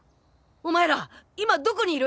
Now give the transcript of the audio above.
お前ら今どこにいる！？